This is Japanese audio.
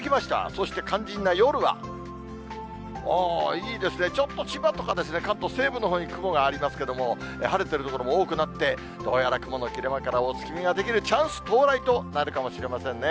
そして肝心な夜は、おー、いいですね、ちょっと千葉とか関東西部のほうに雲がありますけれども、晴れてる所も多くなって、どうやら雲の切れ間から、お月見ができるチャンス到来となるかもしれませんね。